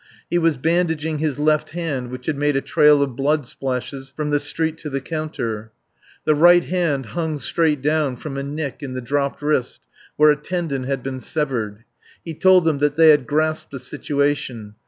He was bandaging his left hand which had made a trail of blood splashes from the street to the counter. The right hand hung straight down from a nick in the dropped wrist where a tendon had been severed. He told them that they had grasped the situation.